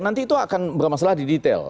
nanti itu akan bermasalah di detail